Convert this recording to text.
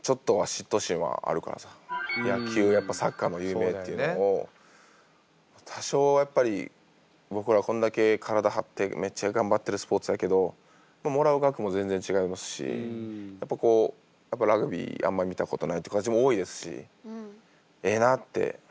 野球やっぱサッカーも有名っていうのを多少はやっぱり僕らはこんだけ体張ってめっちゃ頑張ってるスポーツやけどもらう額も全然違いますしやっぱこうラグビーあんま見たことないっていう子たちも多いですしええなって思います。